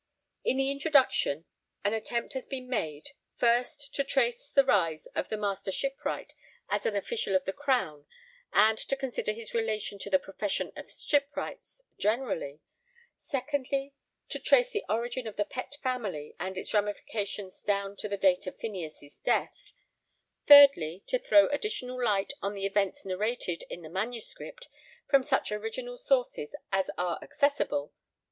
In the Introduction an attempt has been made: first, to trace the rise of the Master Shipwright as an official of the Crown and to consider his relation to the profession of shipwrights generally; secondly, to trace the origin of the Pett family and its ramifications down to the date of Phineas' death; thirdly, to throw additional light on the events narrated in the manuscript from such original sources as are accessible.